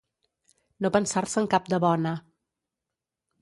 No pensar-se'n cap de bona.